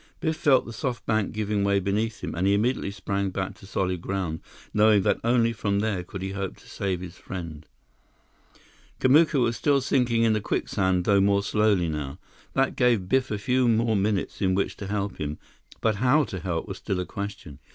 Biff felt the soft bank giving way beneath him, and he immediately sprang back to solid ground, knowing that only from there could he hope to save his friend. Kamuka was still sinking in the quicksand, though more slowly now. That gave Biff a few more minutes in which to help him; but how to help was still a question.